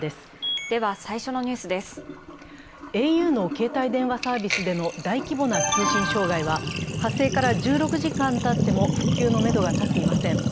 ａｕの携帯電話サービスでの大規模な通信障害は、発生から１６時間たっても復旧のめどが立っていません。